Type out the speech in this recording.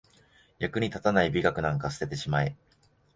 役に立たない美学なんか捨ててしまえ